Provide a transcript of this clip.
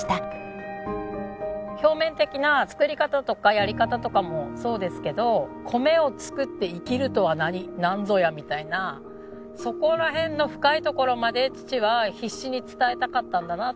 表面的な作り方とかやり方とかもそうですけど米を作って生きるとはなんぞやみたいなそこら辺の深いところまで父は必死に伝えたかったんだなっていうのは思います。